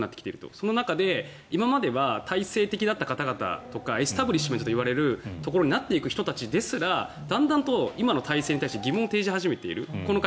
その中で今までは体制的だった方々とかエスタブリッシュとなっていく人たちですらだんだん今の体制に対して疑問を持ち始めている。